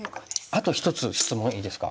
あと１つ質問いいですか？